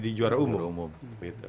di juara umum